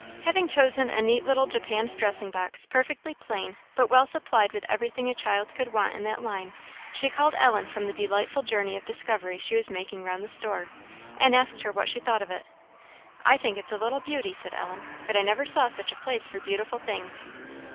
Having chosen a neat little japanned dressing box, perfectly plain, but well supplied with everything a child could want in that line, she called Ellen from the delightful journey of discovery she was making round the store, and asked her what she thought of it. "I think it's a little beauty," said Ellen; "but I never saw such a place for beautiful things."